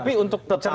tapi untuk ceruk yang